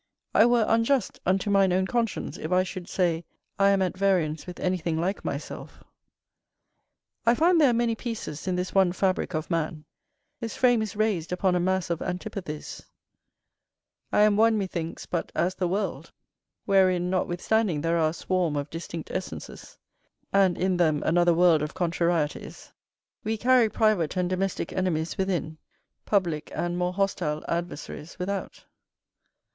I were unjust unto mine own conscience if I should say I am at variance with anything like myself. I find there are many pieces in this one fabrick of man; this frame is raised upon a mass of antipathies: I am one methinks but as the world, wherein notwithstanding there are a swarm of distinct essences, and in them another world of contrarieties; we carry private and domestick enemies within, public and more hostile adversaries without.